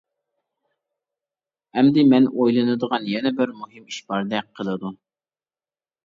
ئەمدى مەن ئويلىنىدىغان يەنە بىر مۇھىم ئىش باردەك قىلىدۇ.